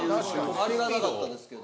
ありがたかったですけど。